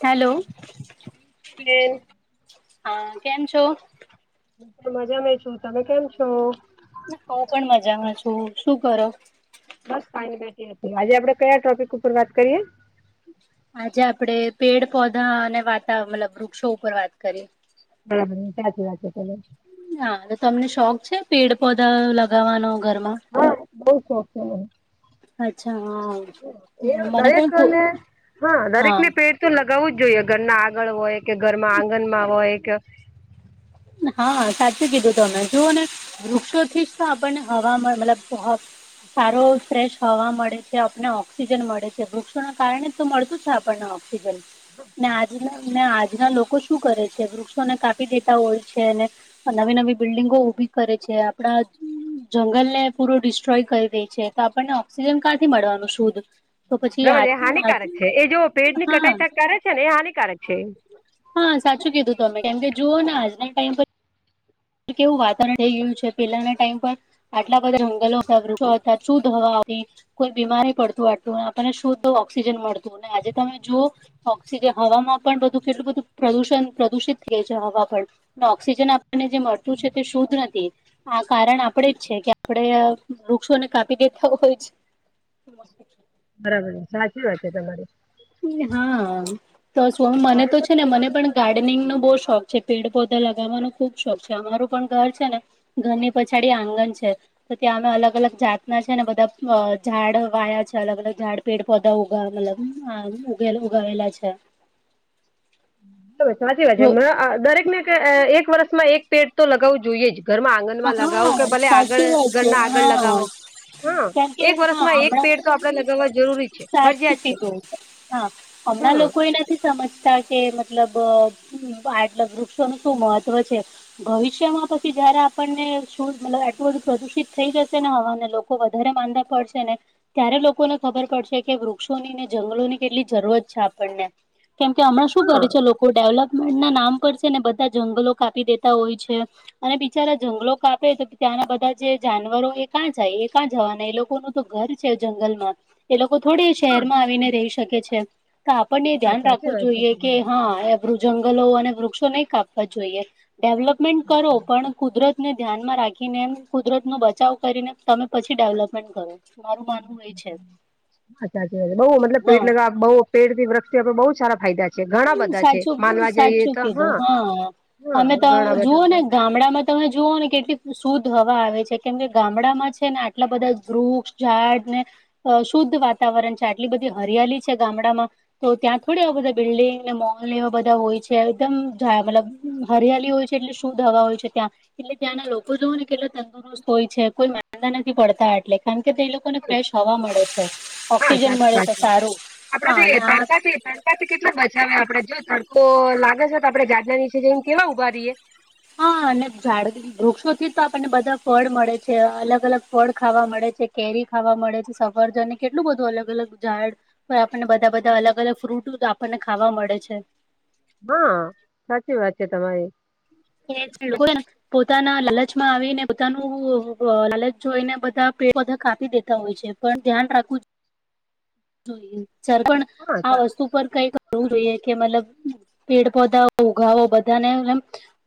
Hello hello હા કેમ છો હું મજા મા છું તમે કેમ છો હું પણ મજામાં છું શું કરો બસ ખાઈને બેઠ હતી આજે આપડે કયા ટોપિક ઉપર વાત કરીએ આજે આપડે પેડ પૌધા અને વાતાવરણ મતલબ વૃક્ષો ઉપર વાત કરીએ હા સાચી વાત છે ચલો હા તમને શોખ છે પેડ પૌધા લગાવવાનો ઘરમાં હા બહ શોખ છે મને અચ્છા હ એ દરેને હા દરેકને પેટ તો લગાવું જ જોઈએ ઘરના આગળ હોય કે ઘરમાં આંગણમાં હોય કે હા સાચું કીધું ત તમને જોઓને વૃક્ષોથી જ તો આપણને હવામાં મતલબ સારો ફ્રેશ હવા મળે છે આપને ઓક્સિજન મળે છે વૃક્ષોના કારણે મળતું છે આપણને ઓક્સિજન ને આજના ને આજના લોકો શું કરે છે વૃક્ષોને કાપી દેતા હોય છે ને નવી નવી બિલ્ડિંગો ઉભી કરે છે આપડા. જંગલ ને પૂર ડિસ્ટ્રોય કરી દે છે તો આપણને ઓક્સિજન ક્યાંથી મળવાનું શુદ. બરાબર એ હાનિકારક છે એ જો પેડ ની હા કટાઈ થ કરે છે ને એ હાનિકારક છે. હા સાચું કીધું તું તમે કેમ કે જુઓ ને આજના ટાઈમ પર કેવું વાતાવરણ થઈ ગયું છે પેલાના ટાઈમ પર. આટલા બધા જંગલો હતાથ વૃક્ષો શુદ્ધ હવા. કોઈ બીમારી પડતું આટતું આપણને શુદ્ધ ઓક્સિજન મળતું આજે તમે જોઓ. ઓક્સિજન હવામાં પણ બધું કેટલું બધું પ્રદુષણ પ્રદુષિત થય છે હવા પણ. ઓક્સિજન આપણને જે મળતું છે તે શુદ્ધ નથી. આ કારણ આપડે જ છે કે આપડે વૃક્ષોને કાપી દેતા હોય જ. હ [inaudible] બરાબર છે સાચી વાત છે તમારી. હા તો સ્વામી મને મારે તો છે પણ ને મને કહેવાનું પણ ગાર્ડનિંગ નો બહુ શોખ. પેડ પધા લગાવવાનો ખુબ શોખ છે અમારું પણ ઘર છે ને ઘરની પછાડી આંગણ છે. તો ત્યાં અમે અલગ અલગ જાતના છે ને બધા ઝાડ વાયા છે અલગ અલગ ઝાડ પેડ પધા ઉગા મતલબ. હ ઉગે ઉગાવેલા છે. સાચી વાત છે દરેક. એક વર્ષમાં એક પેટ તો લગાવું જોઈએ જ ઘરમાં આંગણ. ઘમાં લગાવો હા કે ભલે આગળ સાચી વાત છે ઘરના આગળ હા લગાવો. હા કેમ કે એક હા વર્ષમાં એક હમણાં પેડ તો આપડે લગાવવા જરૂરી છે સાચું ફરજિયાત છે. કીધું. હા હમણાં હમ લોકો એને. નથી સમજતા કે મતલબ આટલ વૃક્ષોનું શું મહત્વ છે. ભવિષ્યમાં પછી જયારે આપે. આપણને શું મ આટલું બધું પ્રદુષિત થઈ જશે ને હવાને લોકો વધારે માંદા પડશે ને. ત્યારે લોકોને ખબર પડશે કે વૃક્ષોની ને જંગલોની કેટલી જરૂરત છે આપણને. કેમ કે હમણાં શું હા કરે છે લોકો. ડેવલપમેન્ટ ના નામ પર છે ને બધા જંગલો કાપી દેતા હોય છે અને બચારા જંગલો કાપે તો ત્યાંના બધા જે જાનવરો એ ક્યાં જાય એ ક્યાં જવાના એ લોકોનું. તો ઘર છે જંગલમાં. એ લોકો થોડી હા શહેરમાં આવીને રહી શકે છે તો આપણને હા ધ્યાન સાચી રાખવું વાત છે જોઈએ કે તમારી હા. જંગલો અને વૃક્ષો નહી કાપવા જોઈએ ડેવલપમેન્ટ કરો પણ. કુદરતને ધ્યાનમાં રાખીને એમ કુદરત નો બચાવ કરીને તમે પછી ડેવલપમેન્ટ કરો. મારું માનવું એ છે અરછા બઉ મતલબ હા પેટ લગાવ બહુ. પેડથી વૃક્ષતિ આપણે બહુ સારા ફદ છે. ઘણા બધા છે સાચું માનવા જઈએ સાચું તો કીધું હા હા અમે ઘણા જુઓ ને બધા ગ ગામડામાં તમે જુઓ ને કેટલી શુદ્ધ હવા આવે છે કેમ કે ગામડામાં છેને, આટલા બધા વૃક્ષ ઝાડ ને અ શુદ્ધ વાતાવરણ છે આટલી બધી હરિયાળલી છે, ગામડામાં તો ત્યાં થોડી આ બધા બિલ્ડિંગને મોલ એવા બધા હોય છે એકદમ મતલબ હરિયાળલી હોય છે, એટલે શું દવા હોય છે ત્યાં એટલે ત્યાં ના લોકો જોવ ને કેટલા તંદુર ય છે કોઈ માંદા નથી પડતા એટલે કારણ કે તે લોકોને ફ્રેશ હવા મળે છે. હા ઓક્સિજન સાચી મળે તો સારું હા અને આ તડકા થી કેટલા બચાવ આપડે જો તડકો લાગે છે તો આપડે જાાડના નીચે જેમ કેવા ઉઊભા રએ હા અને જાડ વૃક્ષો થી તો આપણને બધા ફળ મળે છે અલગ અલગ ફળ ખાવા મળે છે, કેરી ખાવા મળે છે, સફરજને કેટલું બધું અલગ અલગ ઝાડ પણ આપણને બધા બધા અલગ અલગ ફ્રૂટ તો આપણને ખાવા મળે છે. હા સાચી વાત છે, તમારી [unintelligible] એ લોકો એ. એટલે પોતાના લાલચમાં આવીને પોતાનું લાલચ જોઈને બધા પે પધાાપી દેતા હોય છે. પણ ધ્યાન રાખવું જોઈ જાર પણ હા આ સા વસ્તુ પર કઈક જોવું જોઈએ કે મતલબ પેડ પોધાઓ ઉઘાો બધાને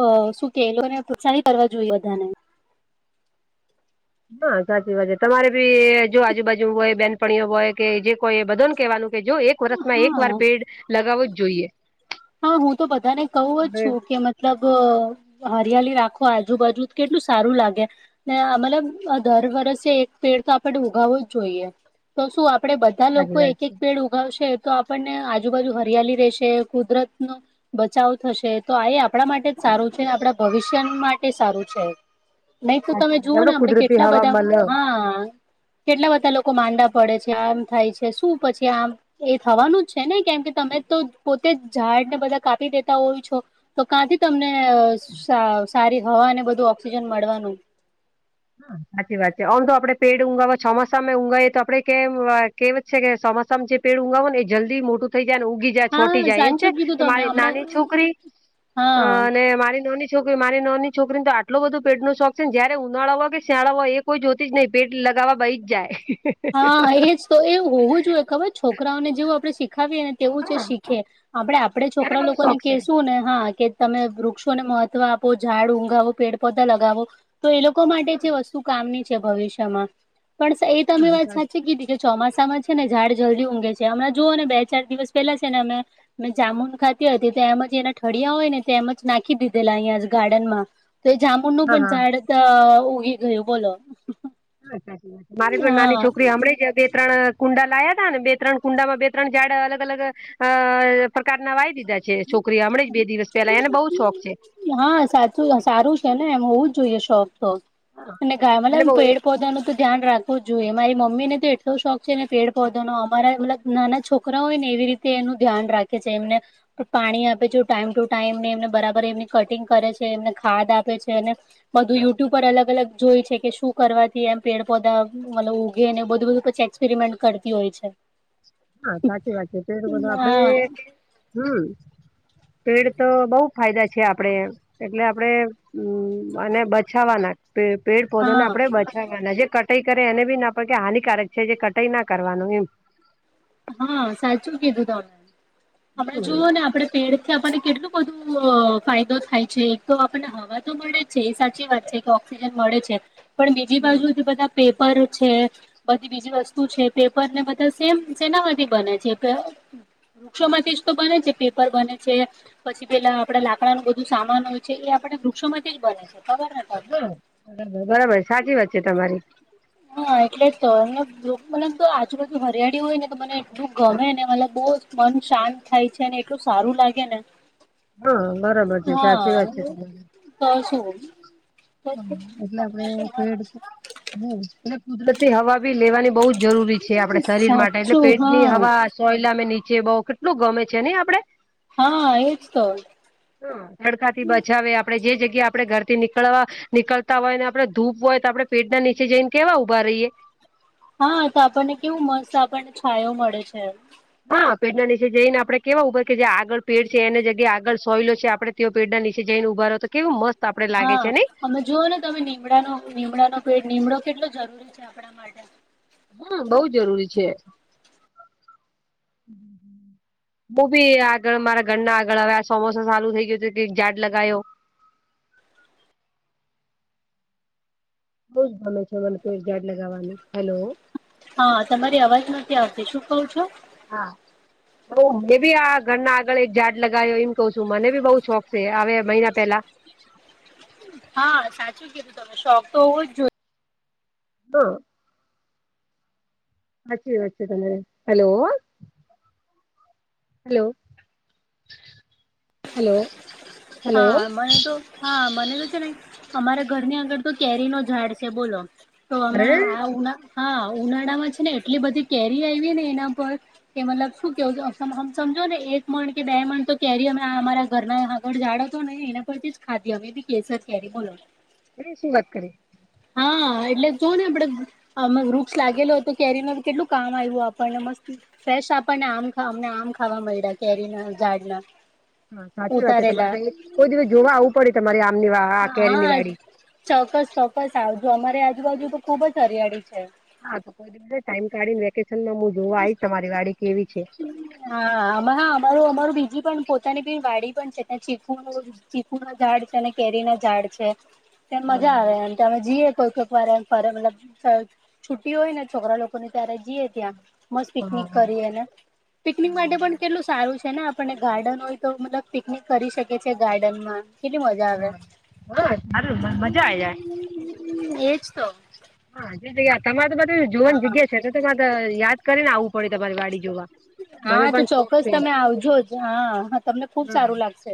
અ શું કેલો ને પ્રત્સાહી કરવા જોઈએ, બધાને હા સાચી વાત છે, તમારે બી જો આજુબાજુ હોય બેનપણીઓ હોય, કે જે કોઈ બધો ને કહેવાનું કે જો એક વર્ષમાં એક વાર હા પેડ લગાવવો જ જોઈએ. હા હું તો બધાને કહું જ છુ, કે મતલબ હરિયાલી રાખો આજુબાજુ કેટલું સારું લાગે. ને મતલબ દર વર્ષે એક પેડ તો આપણે ઉગાવવો જ જોઈએ. તો શું આપડે બધા સાચી લોકો વાત એક એક છે પેડ ઉગાવશે તો આપણને આજુબાજુ હરિયાલી રહેશે કુદરતન બચાવ થશે તો આ એ આપણા માટે જ સારું છે, આપણા ભવિષ્ય માટે સારું છે. નહી તો તમે સાચી વાત જુઓ, ને આપડે આપણેે કુદરતી કેટલા હવા બધા મલે હા કેટલા બધા લોકો માંડા પડે છે, આમ થાય છે શું પછી આમ એ થવાનું જ છેને, કેમ કે તમે તો પોતે ઝાડને બધા કાપી દેતા હોય છો, તો કાંથી તમને સારી હવા અને બધું ઓક્સિજન મળવાનુ હા સાચી વાત છે, આમ તો આપડે પેડ ઊગાવા ચોમાસામાં ઊગાવીએ તો આપડ કેમ કે છે કે સોમાસામ જે પે ઊગાવો ને એ જલ્દી મોટુ થઈ જાય છોટી હા જાય એમ સાચું છે, કીધું તમે મારી હમણાં નાની છોકરી હા અને મારી નાની કે મારી ના ની છોકરીને તો આટલો બધ પે નો શોખ છે, જયારે ઉનાળા કે શિયાળા હોય એ કોઈ જોતી જ નહી, પેટ લગાવવા બહી જ જાય. હા એજ તો એ હોવું જોઈએ, ખબર છોકરા ઓને જેવું આપડે શીખાવીએ ને તેવું છે, હા શીખે આપડે આપડે એને છોકરા બહુ લોકોને શોખ છે. કશું ને હા કે તમે વૃક્ષોને મહત્વ આપો ઝાડ ઊંગાવો પેડપોધા લગાવો તો એ લોકો માટે જે હા વસ્તુ કામની છે, ભવિષ્યમાં પણ એ તમે વાત સાચી કીધી કે ચોમાસામાં છે ને ઝાડ જલ્દી ઊઘે છે, હમ જુઓ ને બે ચાર દિવસ પેલા છે ને અમે મેં જામુન ખાતી હતી તો એમ જ એના ઠળિયા હોય ને તો એમ જ નાખી દીધેલા અહી ગાર્ડનમા તો જામુનનું હા પણ હા ઝડ ઉગી ગયુ બોલો હ સાચી વાત મારી પણ નાની હા છોકરી હમણાં જ બે ત્રણ કુંડા લાયા ત ને બે ત્રણ કુંડામાં બે ત્રણ જાડા અલગ અલગ અ પ્રકારના વાઈ દીધા છે. છોકરી હમળે જ બે દિવસ પેલા એને બઉુ શોખ છે. હા સાચું સારું છેને, એમ હોવું જ જોઈએ શોખ તો અને એટલે મતલબ બઉ પે એ પધાનું તો ધ્યાન રાખવું જ જોઈએ મારી મમ્મીને તો એટલો શોખ છેને, પેડ પૌધો અમારા નાના છોકરી છોકરા હોય ને એવી રીતે એનું ધ્યાન રાખે છે એમને પાણી આપે છેું ટાઈમ ટુ ટાઈમને એમને બરાબર એમની કટિંગ કરે છે એમને ખાદ આપે છે બધું યુટ્યુબ પર અલગ અલગ જોય છે કે શું કરવાથી એમ પેડ પોધા મતલબ ઉઊગી ને બધું બધું પછી એક્સપેરિમેન્ટ કરતી હોય છે હા સાચી વાત છે તો એ બધું આપડે હા હમ પેડ તો બહુ ફાયદા છે આપડે એટલે આપડે હમ અને બચાવવાના પેડ પૌધાને આપણેે હા બચાવવાના જે કટાઈ કરે એને બી ના પડે કે હાનિકારક છે જે કટાઈ ના કરવાનું એમ હા સાચું કીધું તમણે હમણા જોઓ હા ને આપણે પેડથી આપણને કેટલું બધું ફાયદો થાય છે એક તો આપણને હવા તો મળે એ સાચી વાત છે કે ઓક્સિજન મળે છે પણ બીજી બાજુથી બધા પેપર છે બધી બીજી વસ્તુ છે પેપર ને બધા સેમ સના માંથી બને છે વૃક્ષો માંથી જ તો બને છે પેપર બને છે પછી પેલા આપડે લાકડાનુંબધું સામાન હોય છે એ આપડે વૃક્ષોમાં જ બને છે ખબર તમને બરાબર બરાબર સાચી વાત છે તમારી હા એટલે જ તો એ મને તો આજુરોજુ હરિયાળી હોય ને મને એટલું ગમે ને મતલબ બહુ જ મન શાંત થાય છે અનેને એટલું સારું લાગે ને હા બરાબર છે સાચી હા વાત છે તમારી તો શું હમ એટ કુદરતી હવા બી લેવાની બહ જ જરૂરી છે આપડે શરીર માટે એટલે સાચું પેટની હવા હા સોયલા મે નીચે બઉ કેટલું ગમે છે નહ આપડે હા એ જ તો તડકાથી બચાવે આપડણે જે જગ્યા આપડે ઘરથી નીકળવા નીકળતા હોય ને આપડણે ધૂપ હોય તો આપડણે પેટના નીચે જઈને કેવા ઉઊભા રહીયએ હા તો આપણને કેવું મસ્ત આપણને છાયો મળે છેમ હા પેડના નીચે જઈને આપણે કેવા ઉપર કે જે આગળ પેડ છે એને જગ્યાએ આગળ સોયલો છે આપણે તેઓ પેટના નીચ જઈને ઉભા તો કેવો મત હા અમે જોુઓ ને તમેમડાનો નિમડાનો પેટ નિનીમડો કેટલો જરૂરી છે આપણા માટે હા બઉ જરૂરી છે. [unintelligible] બહ બી આગળ મારા ઘરના આગળ હવે આ સમોસા ચાલુ થઈ ગયો છે કઈક ઝાડ લગાવો બઉ જ ગમે છે મને પ ઝાડ લગાવવાની હેલો હા તમારી અવાજ નથી આવતી શું કવ છો હા. હ મેં બી આ ઘરના આગળ એક ઝાડ લગાવ્યો એમ કઉ છું મને ભી બઉુ શોખ છે હ મહિના પેલા હા સાચું કીધું તમે શોખ તો હોવું જ જોઈએ [unintelligible] વાચી વા હલો હલો હલો હા મને તો હા મને તો છે ને અમારા ઘરની આગળ તો કેરી નો ઝાડ છે બોલો તો હમે અરે આ ઉ હા ઉનાળામાં છે ને એટલી બધી કેરી આવી ને એના પર કે મતલબ શું કેવુંમ સમજો ને એક મણ કે બે મણ તો કેરી અમે અમારા ઘરના જાડ ડો તો નહીં એના પરથી જ ખાધી અમે બી કેસર કેરી બોલો અરે શું [unintelligible] હા એટલે જો ને આપડે અમે વૃક્ષ લાગેલો તો કેરીમાં કેટલું કામ આવ્યું આપણને મસ્ત ફ્રેશ આપણને આમ અમને આમ ખાવા મળ્યા કેરી ના ઝાડના હા સાચી વાત છે ઉતારેલા તમારે ક કોઈ દિવસ જોવા આવવું પડે તમારે આમની વા આ કેરીની હા વાડી ચોક્કસ ચોક્કસ આવજો અમારી આજુબાજુ તો ખુબ જ હરિયાળી છે હા તો કોઈ દિવસ ટાઈમ કાઢી ને વેકેશન માં હું જોવા આઈશ તમારી વાડી કેવી છે હા આ હા અમારું અમારું બીજી પણ પોતાની બી વાડી પણ છે ત્યાં ચીકુ નું ચીકુ નું ઝાડ છે અને કેરી ના ઝાડ છે હા મજા આવે હા એમ અમે જઈએ કોઈ કોઈક વાર એમ ફ મતલબ છુ્ટી હોય ને છોકરા લોકો ત્યારે જઈએ ત્યાં મસ્ત પિકનિક હા કરી અને પિકનિક માટે પણ કેટલું સારું છે ને આપણને ગાર્ડન હોય તો મતલબ પિકનિક કરી શકે છે ગાર્ડનમાં કેટલી મજા આવે હા હા સારું મજા આવી જાય એજ તો જગ તમારે તો બધા જોવાની હા જગ્યા છે, તો તમારે યાદ કરીને આવું પડે તમારે વાડી જોવા મને હા તો પણ શોખ ચોક્કસ છે. તમે આવજો. હા. તમને ખુબ હા સારું લાગશે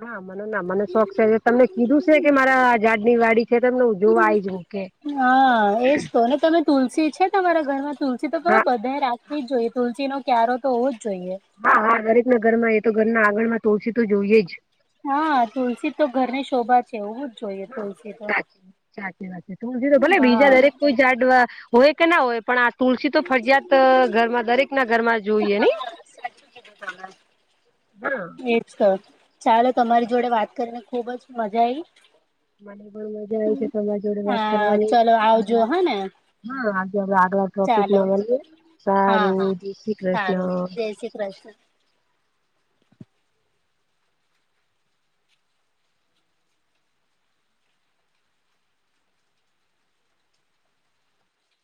હા મનો ના મને શોખ છે તમને કીધું છે કે મારા ઝાડ ની વાડી છે તમને હું જોવા આવી જ હું કે હા એજ તો કોને [unintelligible] તમે તુલસી છે તમારા ઘરમાં તુલસી તો ખબર હા બધા રાખવી જ જોઈએ તુલસી નો ક્યારો તો હોવો જ જોઈએ. હા હા દરેક ના ઘર માં એ તો ઘરના આગળ માં તુલસી તો જોઈએ જ હા તુલસી તો ઘર ને શોભા કેવું જ જોઈએ. તુલસી તો સાચી વાત સાચી વાત છે તુંડ્ર ભલે હા બીજા દરેક કોઈ જાડવા હોય કે ના હોય પણ આ તુલસી તો ફરિયાત ઘરમાં દરેક ના ઘરમાં જોઈએ ને. હા સાચું કીધું તમે હા. એજ કર ચાલો તમારી જોડે વાત કરીને ખુબ જ મજા આવી. મને પણ મજા આવી છે તમારા જોડે વાત હા કરવાની, ચલો આગળ આવજો હા ને હા આજે આગલા ચાલો ટોપિકમાં હા સારું હા જ શ્રી સારું કૃષ્ણ. જય શ્રી કૃષ્ણ